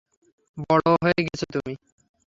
বড় হয়ে গেছ তুমি।